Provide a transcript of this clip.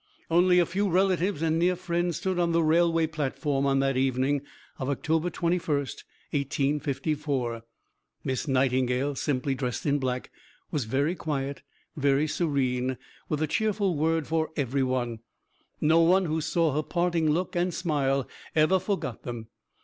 Only a few relatives and near friends stood on the railway platform on that evening of October 21, 1854. Miss Nightingale, simply dressed in black, was very quiet, very serene, with a cheerful word for everyone; no one who saw her parting look and smile ever forgot them.